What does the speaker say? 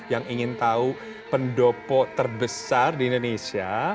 yang ingin tahu pendopo terbesar di indonesia